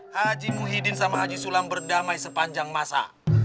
haji muhyiddin sama haji sulam berdamai sepanjang masa